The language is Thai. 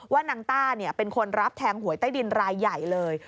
นางต้าเป็นคนรับแทงหวยใต้ดินรายใหญ่เลย